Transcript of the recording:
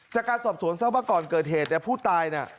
จากการสอบสวนทราบว่าก่อนเกิดเหตุเนี่ยผู้ตายน่ะ